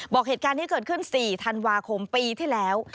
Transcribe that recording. บอกเหตุการณ์ที่เกิดขึ้น๔ธันวาคมปีที่แล้ว